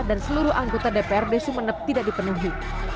dan seluruh anggota dprd sumeneb tidak dipenuhi